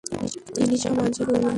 তিনি মাজাহির উলুমে ভর্তি হন।